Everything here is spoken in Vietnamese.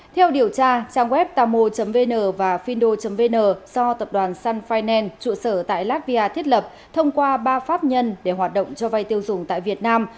theo điều tra trang web tamo vn và findo vn do tập đoàn sun finance trụ sở tại latvia thiết lập thông qua ba pháp nhân để hoạt động cho vay tiêu dùng tại việt nam